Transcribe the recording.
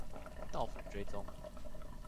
到府追蹤